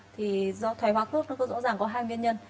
thì do thoái hóa khớp nó có rõ ràng có hai nguyên nhân